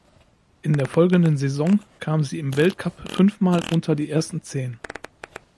In der folgenden Saison kam sie im Weltcup fünfmal unter die ersten Zehn.